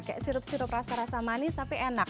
kayak sirup sirup rasa rasa manis tapi enak